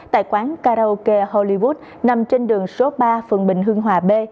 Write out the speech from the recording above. tại quán karaoke hollywood nằm trên đường số ba phường bình hương hòa b